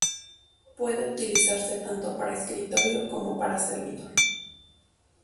Puede utilizarse tanto para escritorio como para servidor.